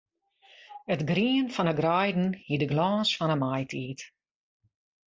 It grien fan 'e greiden hie de glâns fan 'e maitiid.